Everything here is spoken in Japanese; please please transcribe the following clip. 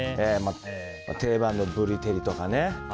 定番のブリ照りとかね。